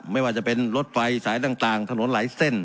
ไม่ว่าจะเป็นรถไฟสายต่างถนนหลายเส้น